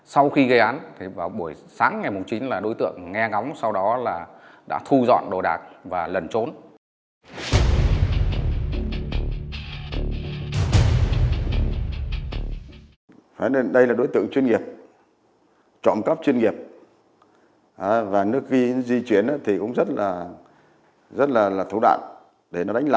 sau khi gây án thì vào buổi sáng ngày chín là đối tượng nghe ngóng sau đó là đã thu dọn đồ đạc và lần trốn